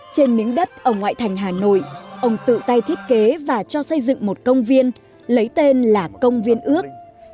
trên miếng đất ở ngoại thành hà nội ông tự tay thiết kế và cho xây dựng một công viên lấy tên là công viên ước